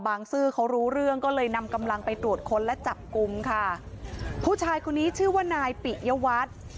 ซื้อเขารู้เรื่องก็เลยนำกำลังไปตรวจค้นและจับกลุ่มค่ะผู้ชายคนนี้ชื่อว่านายปิยวัตร